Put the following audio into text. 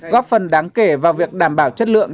góp phần đáng kể vào việc đảm bảo chất lượng